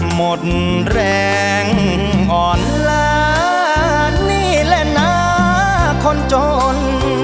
หมดแรงอ่อนล้านี่แหละนะคนจน